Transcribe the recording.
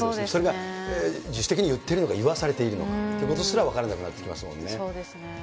それが自主的に言ってるのか、言わされているのかということすら分からなくなってきますもんね。